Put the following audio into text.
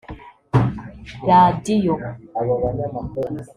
radiyo